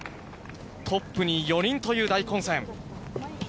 トップに４人という大混戦。